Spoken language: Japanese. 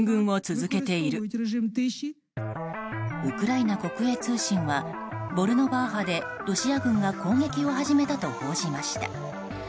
ウクライナ国営通信はボルノバーハでロシア軍が攻撃を始めたと報じました。